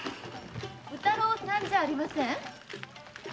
宇太郎さんじゃありません？